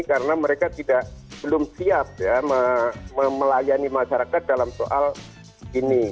karena mereka belum siap ya melayani masyarakat dalam soal ini